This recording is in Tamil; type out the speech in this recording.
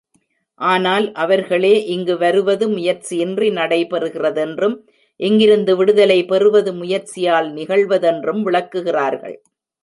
ஆனால் அவர்களே இங்கு வருவது முயற்சியின்றி நடைபெறுகிறதென்றும் இங்கிருந்து விடுதலை பெறுவது முயற்சியால் நிகழ்வதென்றும் விளக்குகிறார்கள்.